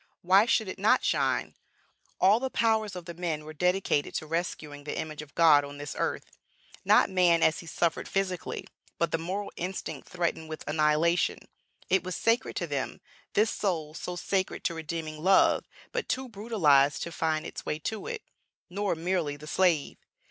Why should it not shine? all the powers of the men were dedicated to rescuing the image of God on this earth, not man as he suffered physically, but the moral instinct threatened with annihilation. It was sacred to them, this soul so sacred to redeeming love, but too brutalized to find its way to it. Nor merely the slave.